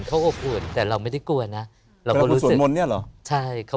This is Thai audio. เขารู้สึกได้ว่าเขามา